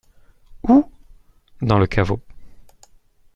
Où ? Dans le caveau.